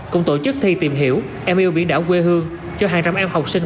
cũng tổ chức thi tìm hiểu em yêu biển đảo quê hương cho hàng trăm em học sinh